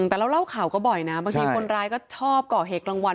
แต่เราเล่าข่าวก็บ่อยนะบางทีคนร้ายก็ชอบก่อเหตุกลางวัน